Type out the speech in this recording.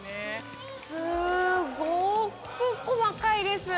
すごく細かいです